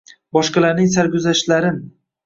boshqalarning sarguzashtlarin